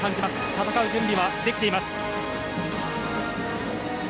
戦う準備はできています。